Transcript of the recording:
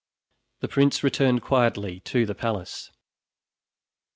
The prince returned quietly to the palace.